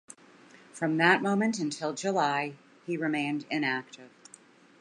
From that moment until July, he remained inactive.